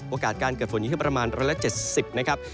นอกจากนี้เองนะครับในบริเวณพื้นที่ที่อยู่ตามเขานะครับ